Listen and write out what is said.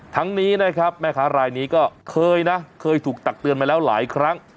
ทั้งนี้นะครับแม่ค้ารายนี้ก็เคยนะเคยถูกตักเตือนมาแล้วหลายครั้ง